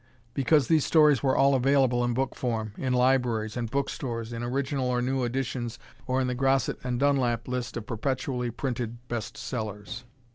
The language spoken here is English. Because these stories are all available in book form, in libraries and book stores, in original or new editions or in the Grosset and Dunlap list of perpetually printed best sellers.